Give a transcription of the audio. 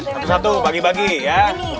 satu satu bagi bagi ya